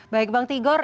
baik bang tigor